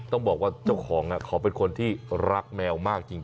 ต้องบอกว่าเจ้าของเขาเป็นคนที่รักแมวมากจริง